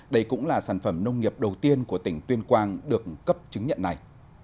đây cũng là sản phẩm nông nghiệp đầu tiên của tỉnh tuyên quang được cấp chứng nhận này